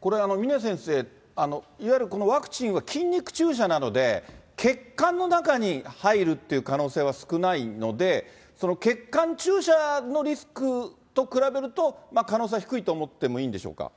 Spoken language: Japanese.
これ、峰先生、いわゆるこのワクチンは筋肉注射なので、血管の中に入るという可能性は少ないので、血管注射のリスクと比べると可能性は低いと思ってもいいんでしょうか？